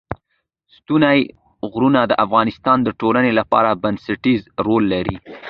ستوني غرونه د افغانستان د ټولنې لپاره بنسټيز رول لري.